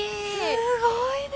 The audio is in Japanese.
すごいね。